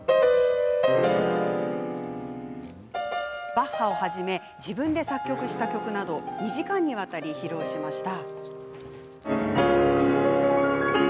バッハをはじめ自作の曲を１３曲２時間にわたり披露しました。